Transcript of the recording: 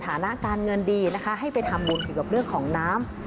ฐานะการเงินดีนะคะให้ไปทำบุญเกี่ยวกับเรื่องของน้ำ